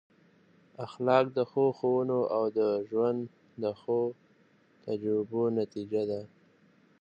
اخلاق د ښو ښوونو او د ژوند د ښو تجربو نتیجه ده.